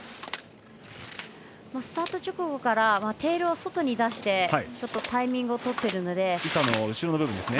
スタート直後からテールを外に出してタイミングを取っているので。